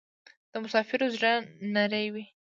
د مسافرو زړه نری وی